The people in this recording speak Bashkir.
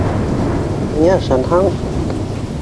Һиңә ышанһаң...